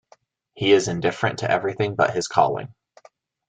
He is indifferent to everything but his calling.